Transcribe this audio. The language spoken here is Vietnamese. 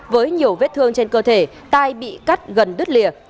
với nhiều vết thương trên cơ thể tai bị cắt gần đứt lìa